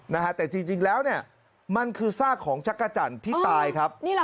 นะฮะแต่จริงแล้วเนี่ยมันคือซากของจักรจันทร์ที่ตายครับ